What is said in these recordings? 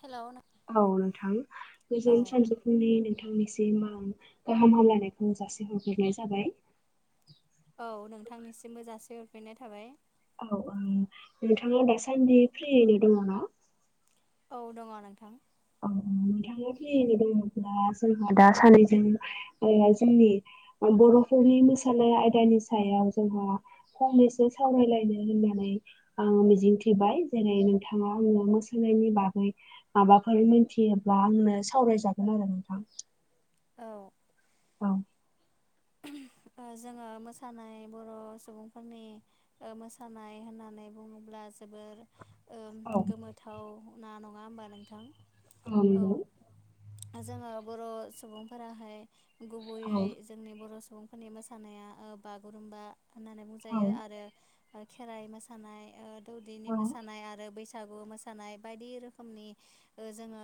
Hello नों औ नोंथां औ गोजोन सानजौफुंनि नोंथां नोंथांनिसिम गाहाम हामलायनायखौ जासिहरफिनाय जाबाय औ नोंथांनिसिम हाजासे हरफिननाय थाबाय औ नोंथाङा दासान्दि फ्रियैनो दङ ना औ दङ नोंथां औ नोंथां फिरिनो दङब्ला जोंहा दा सानैजों जोंनि बर'फोरनि मोसानाय आयदानि सायाव जोंहा फंनैसो सावरायलायनो होननानै आं मिजिंथिबाय जेरै नोंथाङा आंनो मोसानायनि बागै माबा फोर मिथियोब्ला आंनो सावरायजागोन आरो नोंथां औ औ [inaudible] जोङो मोसानाय बर' सुबुंफोरनि मोसानाय होननानै बुङोब्ला दा जोबोर औ गोमोथाव ना नङा होमबा नोंथां औ नंगौ जोङो बर' सुबुंफोराहाय गुबैयै औ जोंनि बर' सुबुंफोरनि मोसानाया बागुरुम्बा होननानै औ बुंजायो आरो खेराइ मोसानाय औ दौदिनि मोसानाय आरो बैसा बैसागु मोसानाय बायदि रोखोमनि जोङो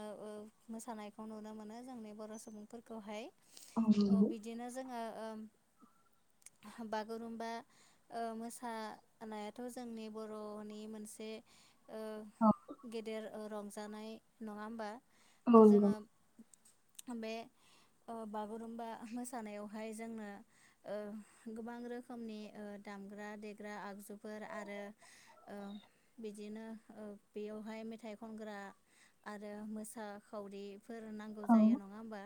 मोसानायखौ नुनो मोनो जोंनि बर सुबुंफोरखौहाय औ नंगौ बिदिनो जोङो [inaudible] बागुरुमबा मोसानायाथ' जोंनि बर'नि मोनसे ओ औ गेदेर रंजानाय नङा होमबा जोङो बे बागुरुम्बा मोसानायाव बेवहाय जोंनो गोबां रोखोमनि दामग्रा देग्रा आगजुफोर आरो। आरो बिदिनो बेयावहाय मेथाइ खनग्रा आरो मोसाखावरि फोर नांगौ औ जायो नंगौ नङा होमबा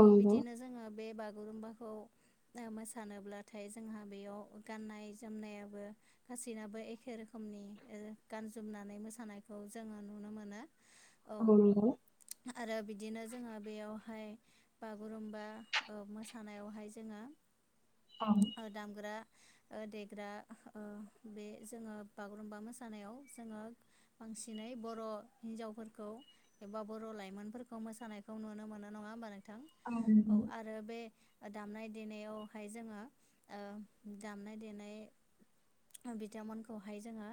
औ बिदिनो जोङो बे बागुरुम्बा [inaudible] मोसानोब्लाथाय जोंहा बेयाव गाननाय जोमनायाबो गासैनाबो एखे रोखोम नि गानजोमनानै मोसानायखौ जोङो नुनो मोनो। औ नंगौ आरो बिदिनो जोङो बेयावहाय बागुरुमबा मोसानायाव बाहाय औ जोङो दामग्रा देग्रा बे जोङो बागुरुमबा मोसानायाव जोङो बांसिनै बर' हिनजावफोरखौ एबा बर' लाइमोनफोरखौ मोसानायखौ नुनो मोनो नङा होमबा नों थां औ नंगौ आरो बे दामनाय देनायावहाय जोङो ओ दामनाय देनाय बिथांमोनखौहाय जोङो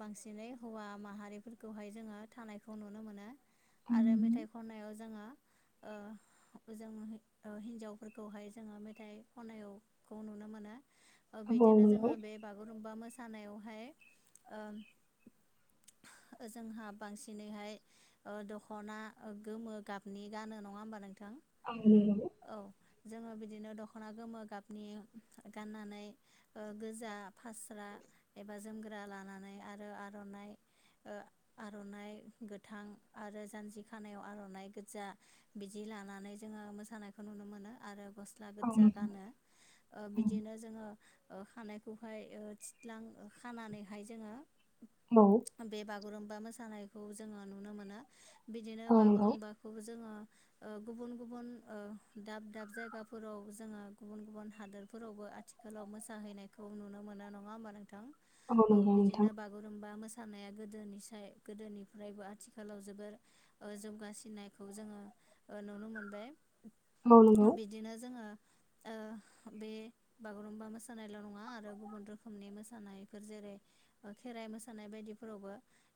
बांसिनै हौवा माहारिफोरखौहाय जोङो थां खिनायखौ नुनो मोनो। औ आरो नंगौ मेथाइ खननायाव जोङो ओ जों हिनजावफोर खौहाय जोङो मेथाइ खनायावखौ नुनो मोनो औ बिदिनो नंगौ जोङो बे बागुरुम बा मोसानायावहाय ओ [inaudible] जोंहा बांसिनैहाय दख'ना गोमो गाबनि गानो नङा होमबा नोंथां? आं बुंनि र' औ जोङो बिदिनो दखना गोमो गाबनि गाननानै गोजा फास्रा एबा जोमग्रा लानानै आरो आर'नाइ आर'नाइ गोथां आरो जान्जि खानायाव आर'नाइ गोजा बिदि लानानै जोङो मोसानाय खौ नुनो मोनो आरो गस्ला गोजा गानो बिदिनो जोङो खानायखौहाय थिदलां खानानैहाय जोङो बे बागुरुमबा मोसानायखौ जोङो नुनो मोनो। बिदिनो औ नंगौ औ बागुरुम्बाखौबो जोङो गुबुन गुबुन दाब दाब जायगाफोराव जोङो गुबुन गुबुन हादोरफोरावबो आथिखालाव मोसाहैनायखौ नुनो मो नो नङा होमबा नोंथां नंगौ औ नोंथां बिदिनो बागुरुमबा मोसा सानाया गोदोनिाय गोदोनिफ्रायबो आथिखालाव जोबोर जौगासिनायखौ जोङो नुनो मोनबाय औ नंगौ बिदिनो जोङो ओ [inaudible] बे बागुरुमबा मोसानायल' नङा आरो गुबुन रोखोमनि मोसानायफोर जेरै खेराइ मोसानाय बायदिफोरावबो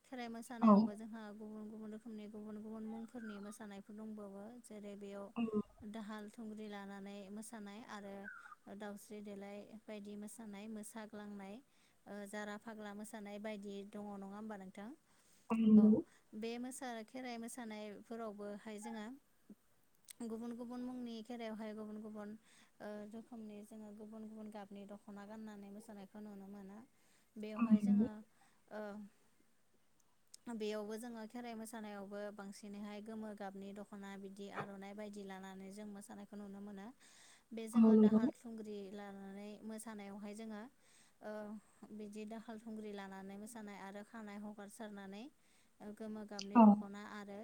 खेराइ औ मोसानायावबो जोंहा गुबुन गुबुन रोखोमनि गुबुन गुबुन मुंफोरनि मोसानायफोर दंबावो। जेरै बेयाव दाहाल थुंग्रि लानानै मोसानाय आरो ओ दावस्रि देलाय बायदि मोसानाय साग्लांनाय, ओ जारा फाग्ला मोसानाय बायदि दङ' नङा होमबा नोंथां औ नंगौ औ नंगौ बे मो सानाय खेराइ मोसानाय फोरावबोहाय जोङों गुबुन गुबुन मुंनि खेरायावहाय गुबुन गुबुन ओ रोखोमनि जोङो गुबुन गुबुन गाबनि दख'ना गाननानै मोसानायखौ नुनो मोनो औ नंगौ औ नंगौ उम बेवहाय जोङो ओ बेयावबो जोङो खेराइ मोसानायावबो बांसिनैहाय गोमो गाबनि दख'ना बिदि आर'नाइ बायदि लानानै जों मोसानायखौ नुनो मोनो बे औ जोङो नंगौ दाहाल नोंथां थुंग्रि लानानै मोसानायावहाय जोङो ओ बिदि दाखाल थुंग्रि लानानै मोसानाय आरो आरो खानाय हगारसारनानै गोमो गाबनि दख'ना आरो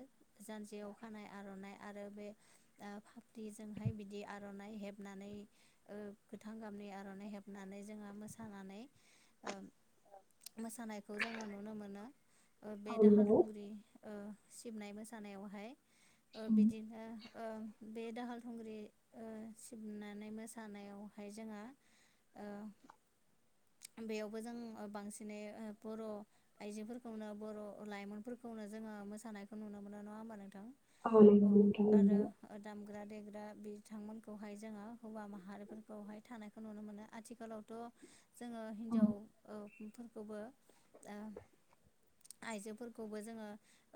जान्जियाव खानाय आर'नाइ आरो बे दिजोंहाय बिदि आर'नाइ हेबनानै ओ गोथां गाबनि आर'नाइ हेबनानै जों मोसानानै ओ औ मोसानायखौ जोङो नुनो मोनो ओ बे दाहाल नंगौ औ थुंग्रि ओ सिबनाय मोसानायावहाय बिदिनो ओ बे दाहाल थुंग्रि ओ सिबनानै मोसानायावहाय जोहा ओ बेयावबो जों बांसिनै ओ बर' आइजोफोरखौनो बर' लाइमोनफोरखौ नो जोङो मोसानायखौ नुनो मोनो नङा होनबा नों नंगौ औ नोंथां आरो दामग्रा देग्रा बिथांमोनखौहाय जोङो हौवा माहारिफोरखौहाय थानायखौ नुनो मोनो आथिखालावथ' जोङो औ हिनजाव ओ फोरखौबो आ आइजोफोरखौबो जोङो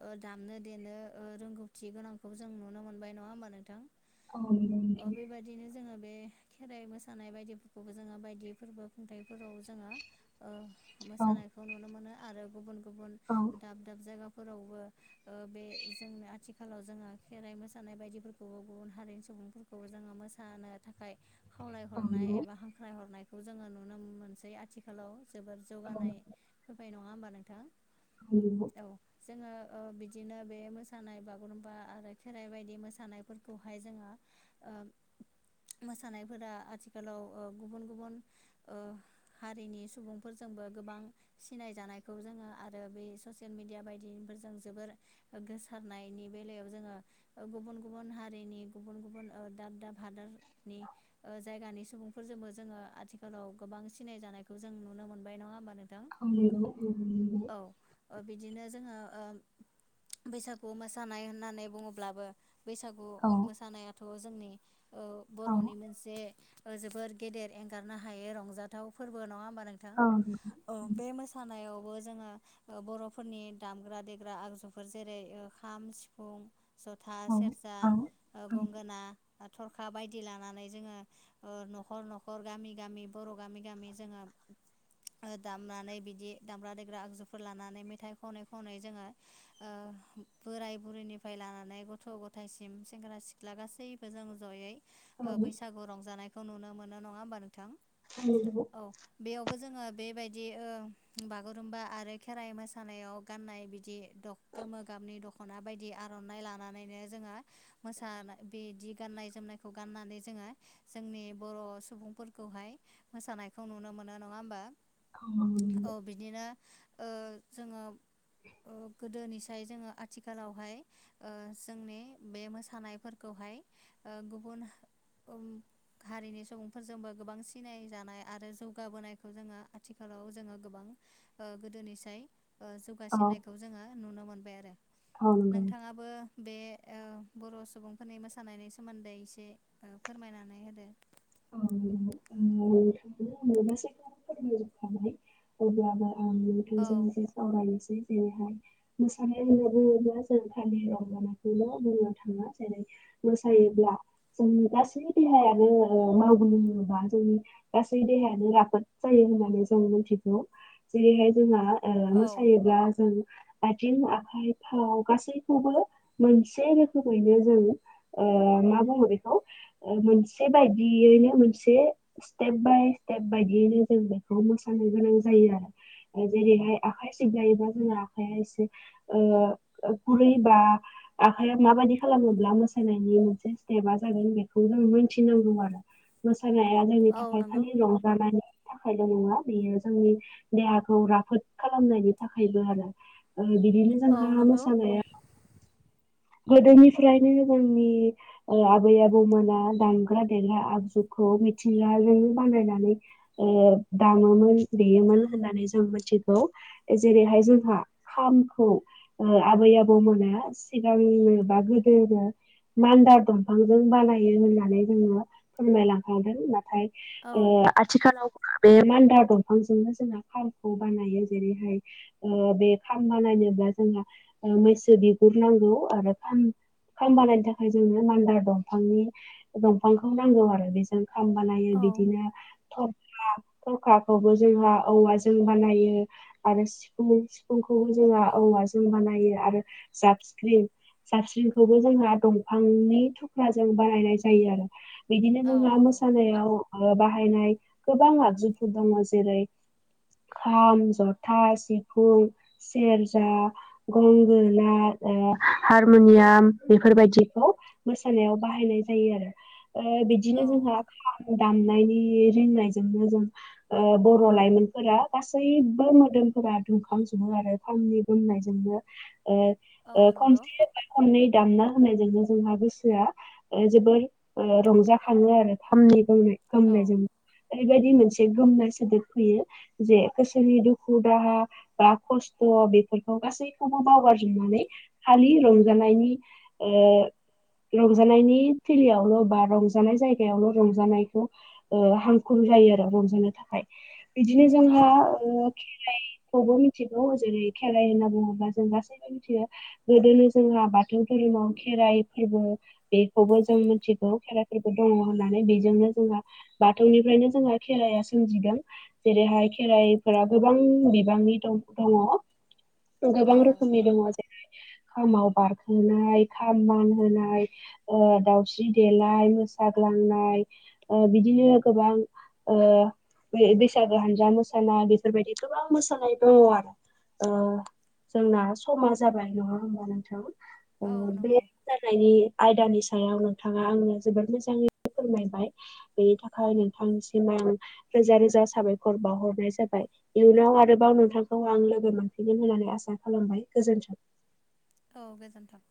ओ दामनो देनो ओ रोंगौथि गोनांखौ जों नुनो मोन बाय नङा होमबा नोंथां औै ओ बेबायदिनो [unintelligible] जोङो बे खेराइ मोसानाय बायदिफोरखौबो जोङो बायदि फोरबो खुंथाइफोराव जोङा ओ मोसानायखौ नुनो मोनो आरो गुबुन गुबुन दाब दाब जायगा [unintelligible] ओ बे जोंनो आथिखालाव जोंङो खेराइ मोसानाय बायदिफोरखौबो गुबुन हारिनि सुबुंफोरखौबो जोङो मोसानो थाखाय खावलायहरनाय एबा हांख्रायहरनायखौ जोङो नुनो मोनसै आथिखालाव जोबोर जौगानाय फैबाय नङा होमबा नोंथां औ [inaudible] औ जोङो ओ बिदिनो बे मोसानाय बागुरुमबा आरो खेराइ बायदि मोसानायफोरखौहाय जोंहा ओ मोसानायफोरा आथिखालाव ओ गुबुन गुबुन ओ हारिनि सुबुंफोरजोंबो गोबां सिनायजानायखौ जोङो आरो बे ससियेल मिडिया बायदि जोबोर ओ गोसारनायनि बेलायाव जोङो ओ गुबुन गुबुन हारिनि गुबुन गुबुन ओ दाब दाब हादारनि ओ जायगानि सुबुंफोरजोंबो जोङो आथिखाल खालाव गोबां सिनाय जानायखौ जों नुनो मोनबाय नङा होमबा नोंथां औ [inaudible] ओ बिदिनो जोङो ओ बैसागु मोसानाय होननानै बुङोब्लाबो बैसागु मोसानायाथ' जोंनि ओ औ बर'नि मोनसे जोबोर गेदेर एंगारनो हायो रंजाथाव फोरबो नङा होनबा नोंथां औ औ बे मोसानायाव बो जोङा बर'फोरनि दामग्रा देग्रा आगजुफोर जेरै ओ खाम सिफुं जथा औ सेरजा औ ओ गंगोना थरखा बायदि लानानै जोङो ओ न'खर न'खर गामि गामि बर' गामि गामि जोंहा ओ दामनानै बिदि दामग्रा देग्रा आगजुफोर लानानै मेथाइ खनै खनै जोङो ओ बोराय बुरैनिफ्राय लानानै गथ' गथायसिम सेंग्रा सिख्ला गासैबो जों जयै ओ बैसागु रंजानायखौ नुनो मोनो नङा होमबा नोंथां औ बेयावबो जोङो बेबायदि बिदि ओ बागुरुमबा आरो खेराइ मोसानायाव गाननाय बिदि दखना गोमो गाबनि दख खना बायदि आर'नाइ लानानैनो जोंहा मोसानाय बिदि गान्नाय जोमनायखौ गाननानै जोङो जोंनि बर' सुबुंफोर खौहाय मोसानायखौ नुनो मोनो नङा होनबा औ बिदिनो ओ जोङो गोदोनि सम मानिफ्राय जोङो आथिखालावहाय ओ जोंनि बे मोसानायफोरखौहाय ओ गुबुन गुबुन हारिनि सुबुंफोरजोंबो गोबां सिनाय जानाय आरो जौगाबोनायखौ जोङो आथिखालाव जोङो गोबां गोदोनिसाय ओ जौगासिननायखौ जोङो नुनो मोनबाय आरो औ नंगौ नोंथाङाबो बे ओ बर' सुबुंफोरनि मोसानायनि सोमोन्दै एसे फोरमायनानै होदो औ नोंथांनो मोन गासैखौ फोरमायजोबखानाय अब्लाबो आं औ बेथोरजों एसे सावरानोसै जेरैहाय मोसानाय होनना बुङोब्ला जों खालि रंजानायखौल' बुंनो थाङा जेरै मोसायोब्ला जों गासै देहायानो मावग्लुंङोबा जोंनि गासै देहायानो राफोद जायो होननानै जों मिथिगौ जेरैहाय जोंहा औ मोसायोब्ला जों आथिं आखाइ फाव गासैखौबो मोनसे रोखोमैनो जों मा बुङो बेखौ मोनसे बायदियैनो मोनसे स्टेप बाय स्टेप बायदियैनो जों बेखौ मोसानो गोनां जायो जेरैहाय आखाइ सिबनायजों जोंहा आखाया एसे गुरै बा आखाइया माबादि खालामोब्ला मोसानायनि मोनसे स्टेपा जागोन बेखौ जों मिथिनांगौ आरो मोसानाया जोंनि औ थाखाय नंगौ खालि रंजानाय थाखायल' नङा बेयो जोंनि देहाखौ राफोद खालामनायनि थाखायबो आरो ओ बिदिनो औ जोंहा नंगौ मोसानाया गोदोनिफ्रायनो जोंनि आबै आबौमोना दामग्रा देग्रा आगजु खौ मिथिंगाजों बानायनानै दामोमोन देयोमोन होननानै जों मोनथिगौ जेरैहाय जोंहा खामखौ आबै आबौ मोना सिगांनो बागोदोनो मान्दार दंफांजों बानायो होननानै जोङो फोरमायलांखादों नाथाय औ ओ आथिखालाव बे मान्दार दंफांजोंनो जोंना खामखौ बानायो जेरैहाय बे खाम बानायनाय जा जोंहा मैसो बिगुर नांगौ आरो फां खालामनायनि थाखाय जोंनो मान्दार दंफांनि दंफांखौ नांगौ आरो बेजों खाम बानायो औ बिदिनो थरखा थरखाखौबो जोंहा औवाजों बानायो आरो सिफुं सिफुंखौबो जोंहा औवा जों बानायो आरो जाबसख्रिं साबस्रिंखौबो जोंहा दंफांनि थुख्राजों बानायनाय जायो आरो बिदिनो औ जोंहा नंगौ मोसानायाव बाहायनाय गोबां आगजुफोर दङ जेरै खाम जथा सिफुं सेरजा गंगोना हारमुनियाम बेफोरबायदिखौ मोसानायाव बाहायनाय जायो आरो बिदिनो औ जोंहा खाम दाम नायनि रिंनायजोंनो जों बर' लाइमोनफोरा गासैबो मोदोमफोरा दुंखांजोबो आरो खामनि गोमनायजोंनो औ नंगौ खनसे बा खननै दाम ना यजोंनो जोंहा गोसोआ जोबोर रंजाखाङो आरो खामनि गोमनाय औ गोमनायजों बेबायदि मोनसे गोमनाय सोदोब फैयो जे गोसोनि दुखु दाहा बा खस्थ' बेफोरखौ गासैखौबो बावगारजोबनानै खालि रंजानायनि रंजानायनि थिलियावल' बा रंजानाय जायगायावल' रंजानायखौ हांखुर जायो आरो रंजानो थाखाय बिदिनो औ जोंहा खेराइखौबो मिथिगौ जेरै खेराइ होनना बुङोब्ला जों गासै थि गोदोनि जोंहा बाथौ धोरोमाव खेराइ फोरबो बेखौबो जों मिथि खेराइफोरखौ दङ होननानै बेजोंनो जोंहा बाथौनिफ्रायनो जोंहा खेराइया सोमजिदों जेरैहाय खेराइफोरा गोबां बिबांनि दङ गोबां रोखोम औ दङ खामाव बारखोनाय खाम मानहोनाय दाउस्रि देलाय मोसा ग्लांनाय बिदिनो गोबां बैसागो हानजा मोसानाय बेफोरबायदि गोबां मोसानाय दङ आरो जोंना समा जाबाय नङा होमबा नोंथां बे नंगौ जानायनि आयदानि सायाव नोंथाङा आंनो जोबोद मोजाङै फोरमायबाय बेनि थाखाय नोंथांसिम आं रोजा रोजा साबायखर बावहरनाय जाबाय इयुनाव आरोबाव नोंथांखौ आं लोगो मोनफिनगोन होननानै आसा खालामबाय गोजोनथों औ गोजोनथों